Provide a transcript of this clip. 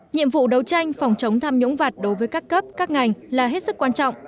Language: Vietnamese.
nhiệm vụ đấu tranh phòng chống tham nhũng vặt đối với các cấp các ngành là hết sức quan trọng